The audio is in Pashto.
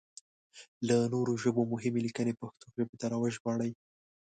له نورو ژبو مهمې ليکنې پښتو ژبې ته راوژباړئ!